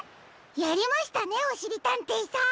やりましたねおしりたんていさん。